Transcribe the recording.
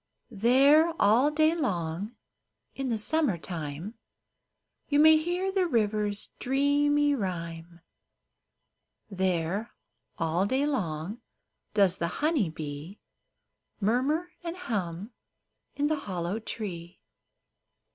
There all day long, in the summer time, You may hear the river's dreamy rhyme ; There all day long does the honey bee Murmur and hum in the hollow tree.